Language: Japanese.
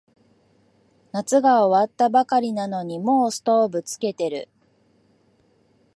夏が終わったばかりなのにもうストーブつけてる